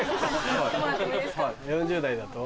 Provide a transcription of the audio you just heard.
４０代だと。